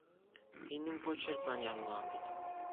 Һинең почерк менән яҙылған бит.